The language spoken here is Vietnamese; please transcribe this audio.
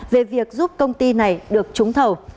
về việc giúp công ty này được trúng thầu